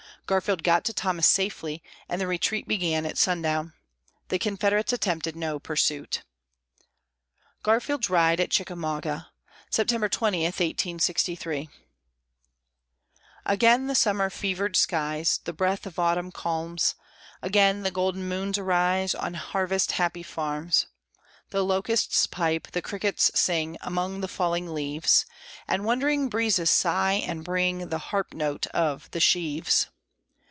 Garfield got to Thomas safely and the retreat began at sundown. The Confederates attempted no pursuit. GARFIELD'S RIDE AT CHICKAMAUGA [September 20, 1863] Again the summer fevered skies, The breath of autumn calms; Again the golden moons arise On harvest happy farms. The locusts pipe, the crickets sing Among the falling leaves, And wandering breezes sigh, and bring The harp notes of the sheaves.